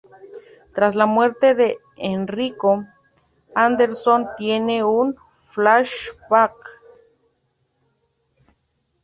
Tras la muerte de Enrico, Anderson tiene un Flashback.